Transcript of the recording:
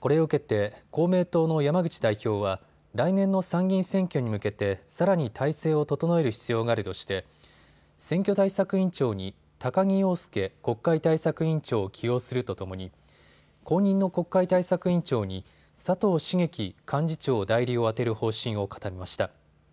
これを受けて公明党の山口代表は来年の参議院選挙に向けてさらに体制を整える必要があるとして選挙対策委員長に高木陽介国会対策委員長を起用するとともに後任の国会対策委員長に佐藤茂樹幹事長代理を充てる方針を固めました。